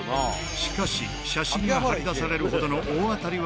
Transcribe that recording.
しかし写真が貼り出されるほどの大当たりはまだ出ていない。